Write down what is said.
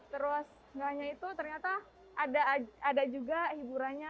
terus malahnya itu ternyata ada juga hiburannya